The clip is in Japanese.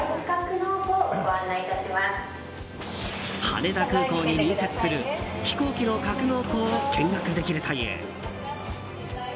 羽田空港に隣接する飛行機の格納庫を見学できるという。